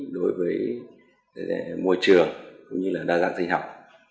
đối với môi trường cũng như là đa dạng sinh học